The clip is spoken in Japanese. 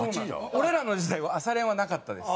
俺らの時代は朝練はなかったです。